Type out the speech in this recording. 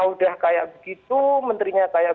udah kayak begitu menterinya kayak